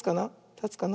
たつかな。